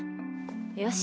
よし。